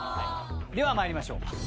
ではまいりましょう。